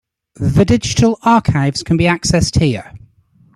The digital archives can be accessed here.